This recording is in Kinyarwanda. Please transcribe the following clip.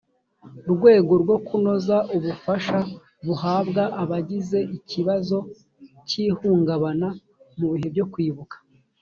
rwego rwo kunoza ubufasha buhabwa abagize ikibazo cy ihungabana mu bihe byo kwibuka